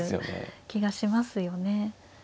気がしますよね。